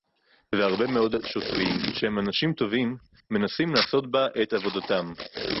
והרבה מאוד שוטרים שהם אנשים טובים מנסים לעשות בה את עבודתם